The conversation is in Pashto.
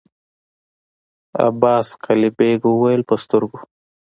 عباس قلي بېګ وويل: په سترګو!